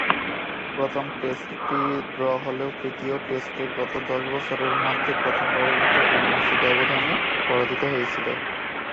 প্রথম টেস্টটি ড্র হলেও তৃতীয় টেস্টে গত দশ বছরের মধ্যে প্রথমবারের মতো ইনিংসের ব্যবধানে পরাজিত হয়েছিল।